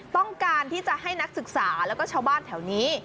ต้องการที่จะให้นักศึกษาแล้วก็ชาวบ้านแถวนี้